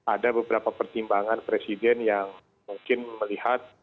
ada beberapa pertimbangan presiden yang mungkin melihat